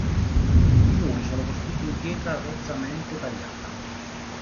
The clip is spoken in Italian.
I muri sono costruiti in pietra rozzamente tagliata.